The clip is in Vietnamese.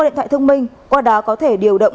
điện thoại thông minh qua đó có thể điều động